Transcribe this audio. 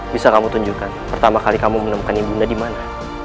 bisa kamu tunjukkan pertama kali kamu menemukan ibunda di mana